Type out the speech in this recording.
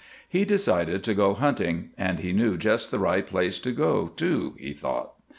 He decided to go hunting, and he knew just the right place to go, too, he thought.